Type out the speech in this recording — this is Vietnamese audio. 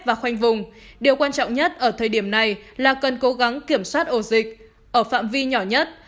và khoanh vùng điều quan trọng nhất ở thời điểm này là cần cố gắng kiểm soát ổ dịch ở phạm vi nhỏ nhất